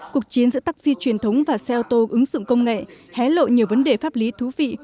cuộc chiến giữa taxi truyền thống và xe ô tô ứng dụng công nghệ hé lộ nhiều vấn đề pháp lý thú vị